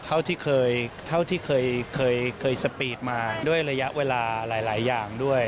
เท่าที่เคยเท่าที่เคยสปีดมาด้วยระยะเวลาหลายอย่างด้วย